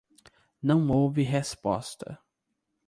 Não houve resposta.